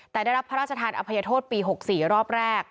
แต่ได้รับพระราชทานอภัยโทษปี๖๔รอบแรก